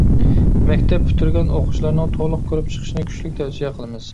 مەكتەپ پۈتتۈرگەن ئوقۇغۇچىلارنىڭ تولۇق كۆرۈپ چىقىشىنى كۈچلۈك تەۋسىيە قىلىمىز!